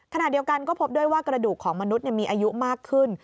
ขณะเดียวกันก็พบด้วยว่ากระดูกของมนุษย์มีอายุมากขึ้น